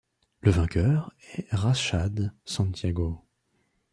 Le vainqueur est Rashaad Santiago.